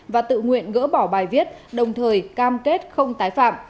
và tự nguyện gỡ bỏ bài viết đồng thời cam kết không tái phạm